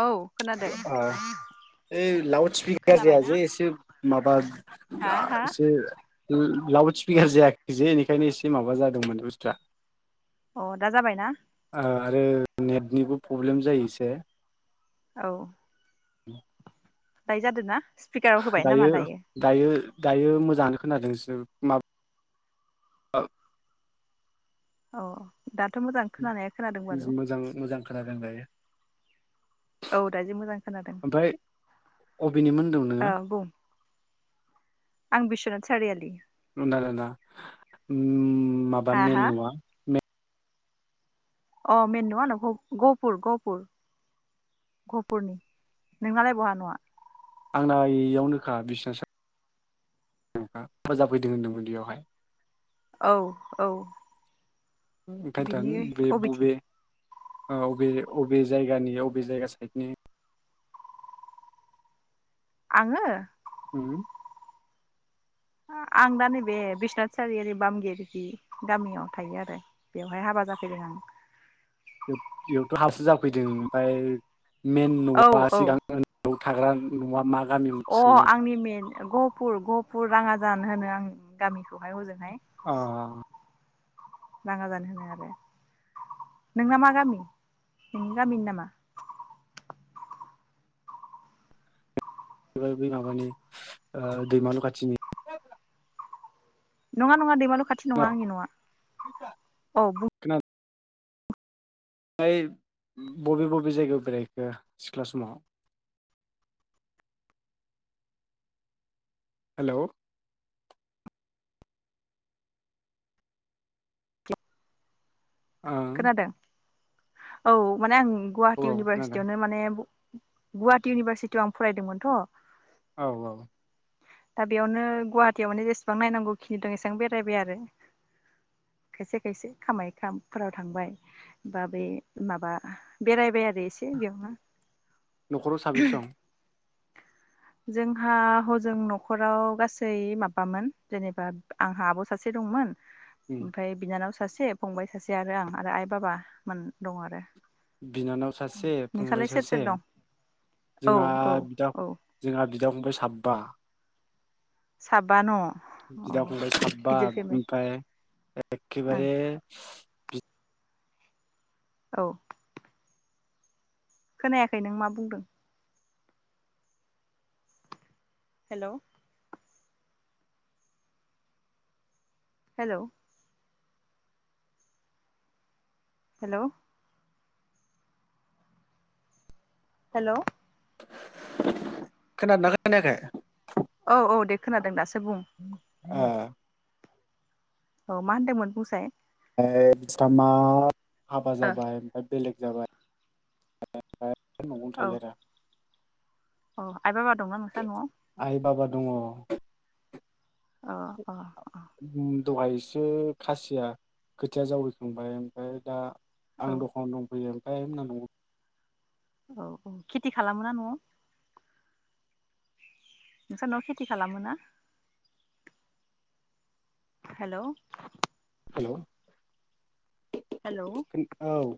औ खोनादों ओ ओइ लाउड स्पिकार जाया खोनाबायना? जे एसे माबा हा हा एसे लाउड स्पिकार जायाखै जे बेनिखायनो एसे माबा जादोंमोन बुस्थुआ अ दा जाबायना आरो नेटनिबो पब्लेम जायो एसे औ [inaudible] दायो जादो ना दायो-दायो दायो मोजाङानो खोनादों सोर मा औ औ दाथ' मोजां खोनानाया खोनादों बारू मोजां मोजां खोनादों दायो औ दा जि मोजां खोनादों ओमफ्राय अबेनिमोन औ होनदों बुं आं बिस्वनाथ सारियालि दानाना ओम माबा हा हा मेन न'आ अ मेन नङा गह गहपुर-गहपुर -गहपुरनि नोंलाय बहा न'वा आंना इयावनोखा बिस्वनाथ [unintelligible] फोजाफैदों होनदोंमोन बेयावहाय औ-औ ओंखायथ' बेे बबे औ वबे-वबे जायगानि वबे जायगा साइदनि आङो उम आं दा नैबे बिसनाथ सारि बामगिर जि गामियाव थायो आरो बेवहाय हाबा जाफैदों आं बेयावथ' हारसो जाफैदों ओमफ्राय मेन औ न'आ औ सिगां थाग्रा नङा मा गामिमोन अ सोंदों आंनि मेन गहपुर गहपुर राङाजान होनो आं गामि दहाय हजोंहाय अ राङा जान होनो आरो नोंना मा गामि नोंनि गामिनि नामा? बे बै माबानि ओ दैमालु खाथिनि नङा नङा दैमालु खाथि नङा खोनादों आंनि न' आं औ बुं हाय बबे बबे जायगायाव बेरायखो सिख्ला समाव हेलौ खोनादों। औ माने आं औ गुवाहाटी औ खोनादों इउनिभारसिटियावनो माने गुवाहाटी इउनिभारसिटियाव आं फरायदोंमोनथ' औ औ दा बेयावनो गुवाहाटीयावनो जेसेबां नायनांगौ खिनि दं एसेबां बेरायबाय आरो खायसे खायसे कामाख्या फोराव थांबाय बा बेै माबा बेरायबाय आरो एसे बेयावनो न'खराव साबसे दं? जोंहा हजों न'खराव गासै माबामोन जेनेबा आंहा आब' सासे दंमोन। उम ओमफ्राय बिनानाव सासे फंबाय सासे जे आरो आं आरो आइ बाबा मोन दं आरो बिनानाव सासे फंबाय नोंसालाय सोर सासे सोर दं औ जोंहा औ बिदा औ जोंहा बिदा बिदा फंबाय साब्बा साबा न' औ बिदा फंबाय साबा गिदिर फेमिलि बिनिफ्राय ओं एखेबारे बि औ खोनायाखै नों मा बुंदों हेलौ हेलौ हेलौ हेलौ [inaudible] खोनादों ना खोनायाखै? औ औ दे खोनादों दासो बुं अ औ मा होनदोंमोन बुंसाय? [unintelligible] हाबा ओ जाबाय ओमफ्राय बेलेग जाबाय [unintelligible] नवावनो थायो आरो अ आइ बा बा दंना नोंस्रा नआव आइ बाबा दङ उ अ अ दहाय एसे खासिया खोथिया जावैखांबाय ओमफ्राय दा आं औ दखानाव दंफैयो ओमफ्राय आयमोना नआव दङो औ औ खेथि खालामो ना नआव नोंसोरनाव खेथि खालामो ना हेल हेल हेल अ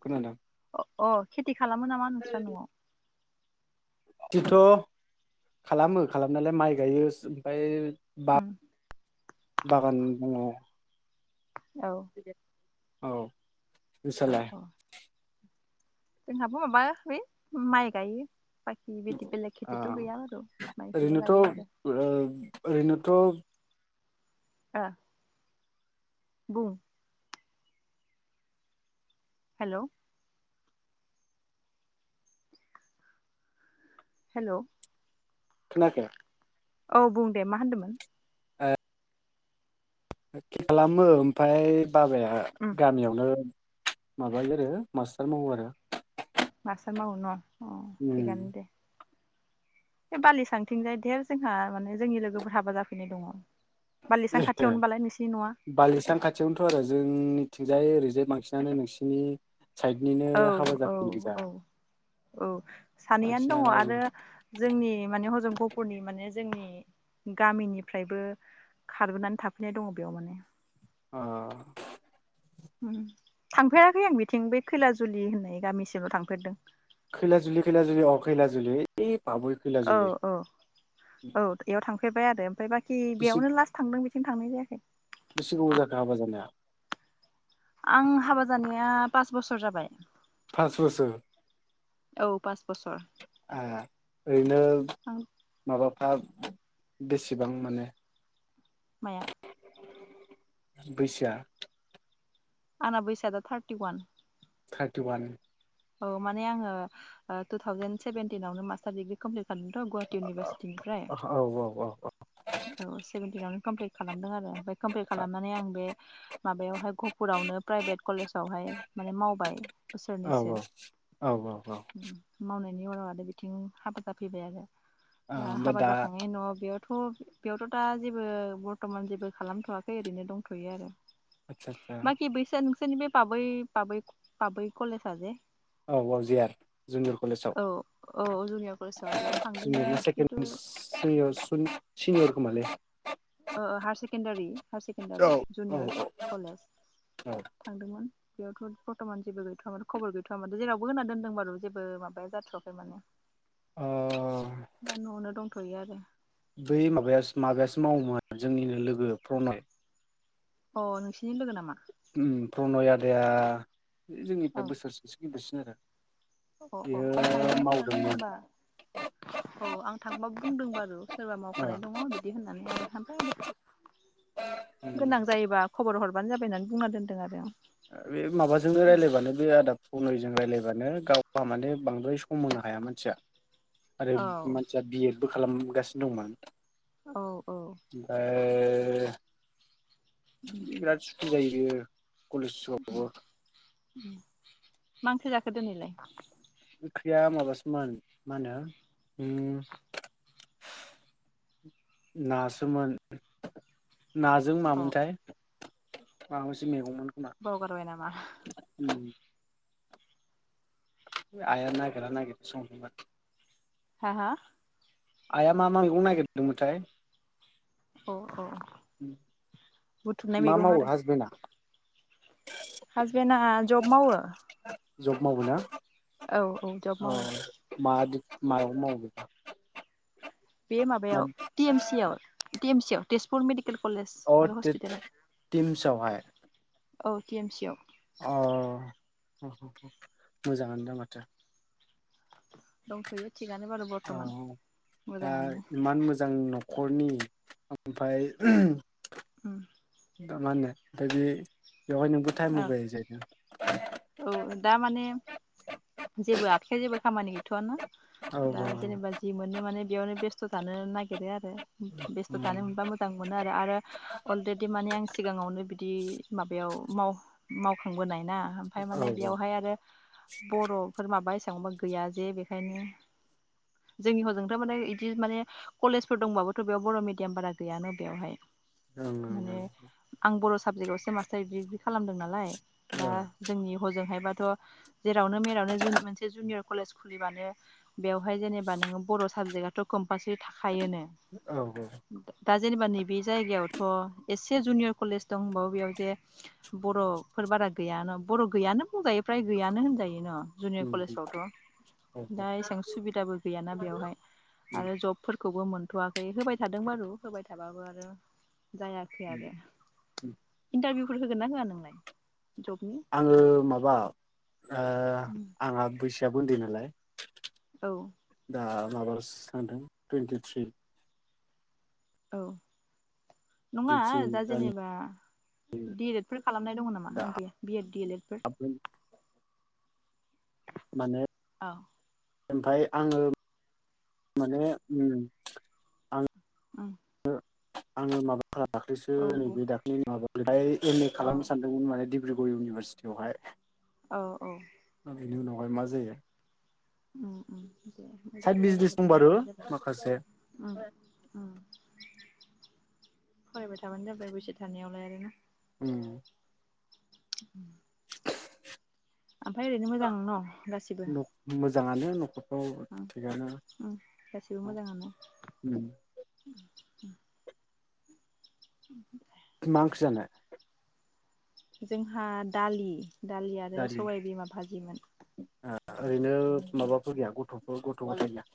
खोनादों खेथि खालामो नामा नोंस्रा नआव बिदिथ खालामो खालामनाालाय माइ गायो ओमफ्राय बागान दङ औ बि [unintelligible] औ औ नोंस्रालाय औ जोंहाबो माबा बे माइ गायो बाखि बिदि बेलेग खेथिथ' गैया आरो माइखौल' ओरैनोथ गायो आरो ओरैनोथ बुं हेल हेल खोनायाखै औ बुं दे मा होनदोंमोन खेथि खालामो ओमफ्राप बाबाया उम गामियावनो माबायो आरो मास्टार मावो आरो मस म उनाव उ बे बालि सांथिं जाय धेर जोंहा माने जोंनि लोगोफोर हाबा जाफैनाय दङ बालिसां ए खाथियावनो बालाय नोंसिनि न'आ बालिसां खाथियावनोथ' आरो जोंनि थििंजायै रिजे्भ मांखिननानै नोंसिनि साइडनिनो औ हाबा औ जाफोन गोजा औ औ सानैयानो दङ बांसिनानो आरो जोंनि माने हजमगपुरनि माने जोंनि गामिनिफ्रायबो खारबोनानै थाफैनाय दङ बेयाव माने ओह थांफेराखै आं बिथिं बै खैला जुलि होननाय गामिसिमल' थांफेरदों खैला जुलि खैला जुलि अ खैला जुलि ए औ औ औ बेयाव थांफैबाय बाय आरो बाखि बि बेसे बेयावनो लास्ट थांदों बे सिम थांनाय जायाखै बेसे गोबाव जाखो हाबा जानाया आं हाबा जानाया पास बोसोर जाबाय फास बोसोर औ पास बोसोर ओ ओरैनो आं माबा हा बेसेबां मोनो माया? बैसोआ आना बैस दा थार्टि वान थार्टि वान औ माने आङो टु थावजेन सेभेेनटिनावनो मास्टार दिडग्रि कमप्लिट जादोंथ' गुवाहाटि इउनिभारसिटिनिफ्राय औ औ औ औ सेभेेनटिनावनो कमप्लिट खालामदों आरो ओमफ्राय कमप्लित खालामनानै आं बे माबायावहाय गपुरावनो प्राइभेट कलेजावहाय माने मावबाय बोसोरनैसो औ औ औ औ बेनि उनाव आरो बिथिं हाबा जाफैबाय आरो दा हाबा जाखांनायनि न'आव बेयाव थ' बेयावथ' दा जेबो बर्थ'मान जेबो खालामथ'वाखै ओरैनो दंथ'यो आरो आदसा आदसा बाखि बैसोन निबे पाबै पाबै पाबै कलेजाजे औ औ जे आर जुनुर कलेजाव औ औ जुनियर कलेजाव बेयाव थांदोंमोन ज से खिन्थु [unintelligible] सिनियर खोमालै ओ हायार सेकेण्डारि हायार औ सेकेण्डारि औ जुनियर कलेज औ थांदोंमोन बेयावथ' बर्थमान जेबो गैथ'व म खबर गैथ'वा माथे जेरावबो होना दोन्दोंबारु जेबो माबाया जाथ'वाखै माने। ओ दा न' आवनो दं। गैया आरो बै माबाया माबायासो मावोमोन जोंनिनो लोगो प्रनय अ नोंसिनि लोगो नामा उम प्रनय आदाया जोंनिफ्राय ओं बोरसेसो गिदिरसिन सोरो अ' अ' आं थांदोंमोन होमबा औ आं थांबा बुंदों बारु सोरबा ओ मावखानाय दङ बिदि होननानै आरो [unintelligible] उम गोनां जायोबा खबर हर बानो जाबाय होननानै बुंना दोनदों आरो आं। ओ बे माबाजोंनो रायलायबानो बे आदा प्रनय जों रायज्लायबानो गावहा माने बांद्राय सम होनो हाया मानसिया आरो आं मानसिया बि एद बो खालाम गासिनो दंमोन। औ औ ओ उम बिमाया सुखु जायो। बियो कलेज आवबो [unintelligible] मा ओंख्रि जाखो दिनैलाय? ओंख्रिया माबासोमोन मा होनो उम नासोमोन। नाजों अ मामोनथाय माबा मोनसे मेग बावगारबाय नामा? आइया नागिरा नागिरि संदोंमोन। हा हा आइया मा मा मैगं नागिरदोंमोनथाय औ औ मा मावो हासबेन्डआ? हासबेन्डआ जब मावो। जब मावोना? औ औ जब मावो अ' मादि मायाव मावो? बे माबायाव टि एम सियाव टि एम सियाव। तेजपुर मेडिक अ' [unintelligible] थिमसावहाय। औ टि एम सि आव। अ' ह ह ह मोजाङानो दा माथो। दंथ'यो थिगानो बारु औ बरथ'मान मोजाङानो। खरनि ओमफाय उम दा माहोननो [unintelligible] ओ औ दा माने जेबो आखाया जेबो खामानि गैथ'आ ना औ दा जेनेबा जि मोननो माने बेयावनो बेस्थ' थानो नागिरो आरो बेस्थ' थानो मोनबा मोजां मोनो आरो आरो अलरेडि माने सिगाङावनो बिदि माबायाव माव मावखांबोनाय ना ओमफाय औ माने बियावहाय माने आरो बर'फोर माबा हिसा एसांबो गैया जे बेखायनो जोंनि हजोंथ' माने बिदि माने कलेजफोर दंबाबोथ' बेयाव बर' मिडियाम बारा गैयानो बेवहाय औ ओं माने ओं आं बर' साबजेकआवसो मासटारदिग्रि खालामदों नालाय ओं औ दा जोंनि हजोंहाय बाद थ जेरावनो मेरावनो मोनसे जुनियर कलेज खुलिबानो बेवहाय जेनेबा नोङो बर' साबजेक्टआथ' कम्पालसारि थाखा खायोनो औ दा जेनेबा नैबे जायगायाव थ' एसे जुनियर कलेज दंबावो बेयाव जे बर'फोर बारा गैया बर' गैयानो बुंजायो फ्राय गैयानो होनजायो न' जुनियर औ कलेजफ्रावथ' दा एसां सुबिदाबो गैयाना बेवहाय औ आरो जबफोरखौ खौबो मोनथ'वाखै होबाय थादों बारु होबाय थाबाबो आरो जायाखै औ आरो इन्टारभिउ होगोन ना होआ नोंलाय आङो माबा ओ ओ आंहा बैसोआबो उन्दै नालाय औ ओ माबारलसो थांदों टुइन्टिथ्रि औ नङा टुइन्टिथ्रि दा जेनेबा दि ए लेड फोर खालामनाय दङ नामा दा नों गैया बि एड दि ए लेड फोर माने औ ओमफाय आङो माने उम आं उम आङो माबा [unintelligible] दाख्लैसो औ बुं नैबे दाख्लैनि माबा फ्राय एम ए औ खालामनो सानदोंमोन माने दिफ [unintelligible] इउनिभारसिटियाव हाय औ औ बेनि उनाव हाय मा जायो। उम उम दे साइद मोजाङानो जागोन बिजनेस दे दंबारो फरायबानो जाबाय माखासे उम उम फरायबाय थाबानो जाबाय बैसो थानायावलाय आरो उम उम [inaudible] आमफाय ओरैनो मोजां न' गासिबो? मोजाङानो न'खद ओं उम गासिबो मोजाङानो उम उम उम [unintelligible] मा ओंख्रि जानाय जोंहा दालि दालि आरो सबायबिमा फाजिमोन ओरैनो माबाफोर गैया गथ' ग गथ गथाय गैला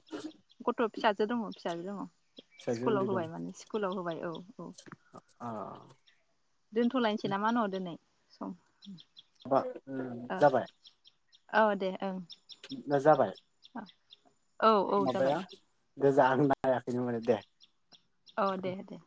गथ' फिसाजो दङ फिसाजो दङ फिसाजो उन्दै स्कुलाव दं होबाय माने स्कुलाव होबाय औ औ अ दोनथ'लायनसै नामा न' दिनै सम मा उ ओ जाबाय औ दे ओं ना जाबाय औ औ जाबाय माबाया गोजा आं नायाखैनोमोन दे औ दे दे